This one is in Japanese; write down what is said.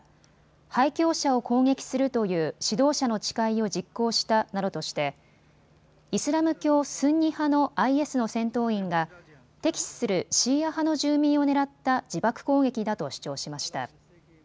背教者を攻撃するという指導者の誓いを実行したなどとしてイスラム教スンニ派のＩＳの戦闘員が敵視するシーア派の住民を狙った自爆攻撃だと主張しました。